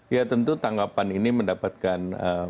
ya tentu tanggapan ini mendapatkan